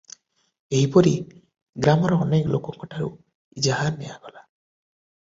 ଏହିପରି ଗ୍ରାମର ଅନେକ ଲୋକଙ୍କଠାରୁ ଇଜାହାର ନିଆଗଲା ।